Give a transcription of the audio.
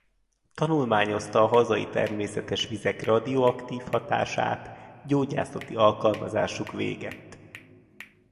Tanulmányozta a hazai természetes vizek radioaktív hatását gyógyászati alkalmazásuk végett.